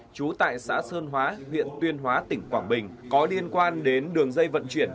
trú tại xã sơn hóa huyện tuyên hóa tỉnh quảng bình có liên quan đến đường dây vận chuyển